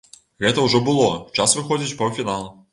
Гэта ўжо было, час выходзіць у паўфінал.